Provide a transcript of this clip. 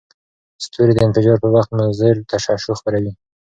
ستوري د انفجار پر وخت مضر تشعشع خپروي.